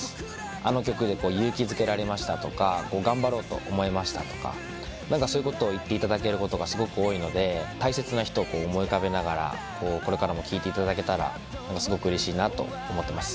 あの曲で勇気づけられましたとか、頑張ろうと思えましたとか、なんかそういうことを言っていただけることがすごく多いので、大切な人を思い浮かべながら、これからも聴いていただけたら、すごくうれしいなと思ってます。